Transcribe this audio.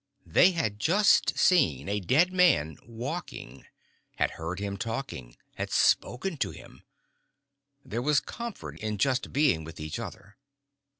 They had just seen a dead man walking, had heard him talking, had spoken to him. There was comfort in just being with each other.